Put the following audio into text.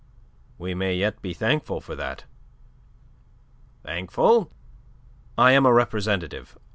We may yet be thankful for that." "Thankful?" "I am a representative.